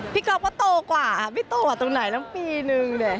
พี่ก๊อฟก็โตกว่าพี่โตกว่าตรงไหนละปีหนึ่ง